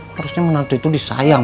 harusnya menantu itu disayang